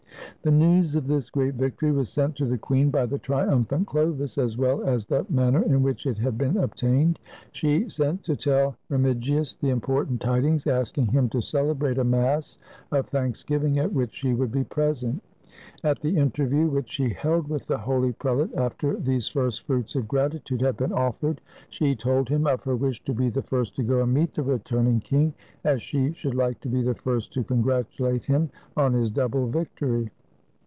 The news of this great victory was sent to the queen by the triumphant Chlovis, as well as the manner in which it had been obtained. She sent to tell Remigius the important tidings, asking him to celebrate a Mass of Thanksgiving, at which she would be present. At the interview which she held with the holy prelate after these first fruits of gratitude had been offered, she told him of her wish to be the first to go and meet the returning king, as she should like to be the first to con gratulate him on his double victory.